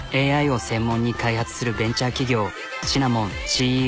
ＡＩを専門に開発するベンチャー企業シナモン